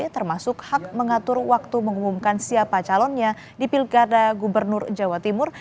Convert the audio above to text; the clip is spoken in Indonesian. termasuk hak mengatur waktu mengumumkan siapa calonnya di pilkada gubernur jawa timur